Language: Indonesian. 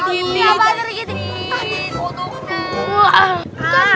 gak bakal jadi kiri